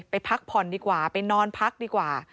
พักผ่อนดีกว่าไปนอนพักดีกว่า